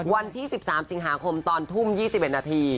วันที่๑๓สิงหาคมตอนทุ่ม๒๑นาที